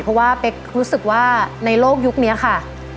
เพราะว่าเป๊กรู้สึกว่าในโลกยุคนี้ค่ะ